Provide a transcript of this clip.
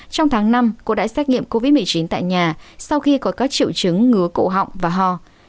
trong tháng năm cô đã xét nghiệm covid một mươi chín tại nhà sau khi có các triệu chứng ngứa cộ họng và ho